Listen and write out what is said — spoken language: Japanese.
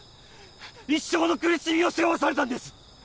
一生の苦しみを背負わされたんです